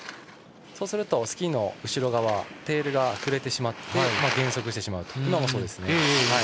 そうすると、スキーの後ろ側テールが振れてしまって減速してしまうと。